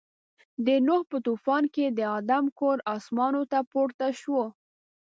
د نوح په طوفان کې د آدم کور اسمانو ته پورته شو.